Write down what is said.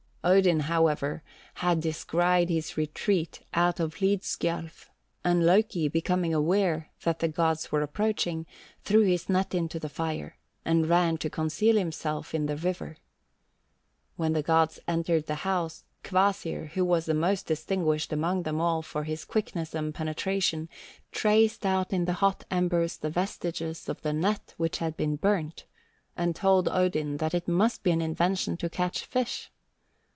Odin, however, had descried his retreat out of Hlidskjalf, and Loki becoming aware that the gods were approaching, threw his net into the fire, and ran to conceal himself in the river. When the gods entered the house, Kvasir, who was the most distinguished among them all for his quickness and penetration, traced out in the hot embers the vestiges of the net which had been burnt, and told Odin that it must be an invention to catch fish.